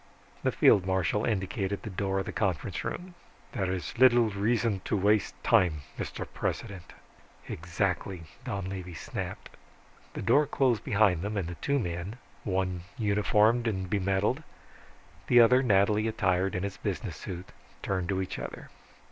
The field marshal indicated the door of the conference hall. "There is little reason to waste time, Mr. President." "Exactly," Donlevy snapped. The door closed behind them and the two men, one uniformed and bemedaled, the other nattily attired in his business suit, turned to each other.